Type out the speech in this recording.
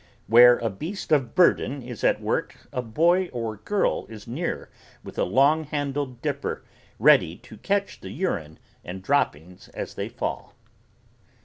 Where a beast of burden is at work a boy or girl is near with a long handled dipper ready to catch the urine and droppings as they fall.